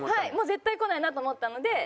絶対来ないなと思ったので。